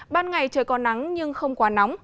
ban ngày trời còn nắng nhưng không quá nóng